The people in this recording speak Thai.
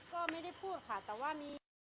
ก็ไม่ได้พูดค่ะแต่ว่ามี